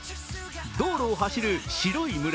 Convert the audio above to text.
道路を走る白い群れ。